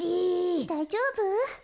だいじょうぶ？